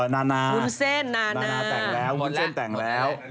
นานาคุณเซ่นนานานานาแต่งแล้วคุณเซ่นแต่งแล้ว